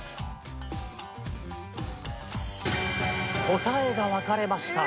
答えが分かれました。